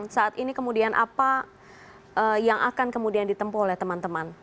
saat ini kemudian apa yang akan kemudian ditempuh oleh teman teman